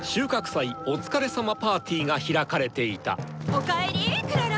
おかえりクララ。